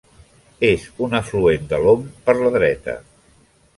És un afluent de l'Om per la dreta.